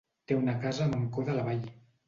Té una casa a Mancor de la Vall.